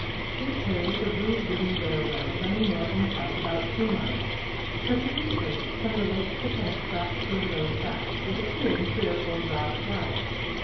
This carry is a rude wooden railroad running north and south about two miles, perfectly straight, from the lake to the Penobscot through a low tract, with a clearing three or four rods wide.